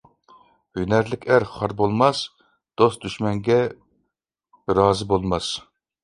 ھۈنەرلىك ئەر خار بولماس، دوست-دۈشمەنگە رازى بولماس.